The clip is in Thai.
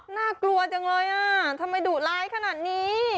น่ากลัวจังเลยอ่ะทำไมดุร้ายขนาดนี้